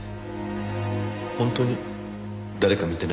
本当に誰か見てない？